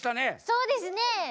そうですね！